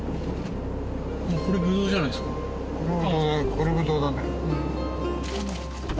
これブドウだね。